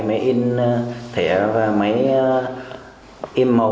máy in thẻ và máy im màu